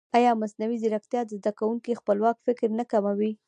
ایا مصنوعي ځیرکتیا د زده کوونکي خپلواک فکر نه کموي؟